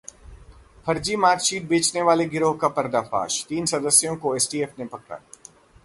फर्जी मार्कशीट बेचने वाले गिरोह का पर्दाफाश, तीन सदस्यों को एसटीएफ ने पकड़ा